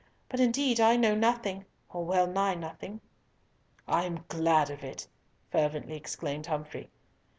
But, indeed, I know nothing or well nigh nothing." "I am glad of it," fervently exclaimed Humfrey.